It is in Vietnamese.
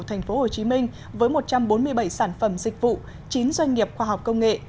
thành phố hồ chí minh với một trăm bốn mươi bảy sản phẩm dịch vụ chín doanh nghiệp khoa học công nghệ